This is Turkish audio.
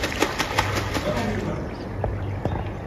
Bana bir bakın.